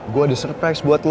gue di surprise buat lo